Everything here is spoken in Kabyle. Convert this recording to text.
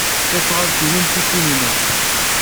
Tasnasɣalt-nnem tif tin-inu.